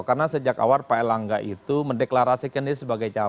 karena sejak awal pak erlangga itu mendeklarasikan dia sebagai capres